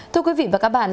thưa quý vị và các bạn